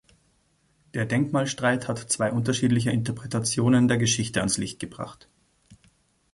Der Denkmalstreit hat zwei unterschiedliche Interpretationen der Geschichte ans Licht gebracht.